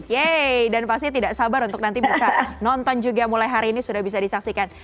yeay dan pasti tidak sabar untuk nanti bisa nonton juga mulai hari ini sudah bisa disaksikan